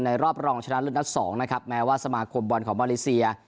รอบรองชนะรุ่นนัดสองนะครับแม้ว่าสมาคมบอลของมาเลเซีย